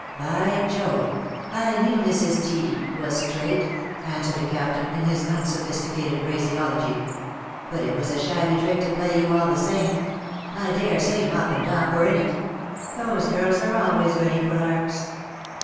^^By Jove, I knew Mrs. T was straight/^ answered the Captain, in his unsophisticated phraseology. " But it was a shabby trick to play you all the same. I daresay Mop and Dop were in it. Those girls are always ready for larks.